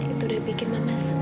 itu udah bikin mama senang